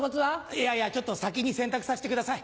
いやいやちょっと先に洗濯させてください。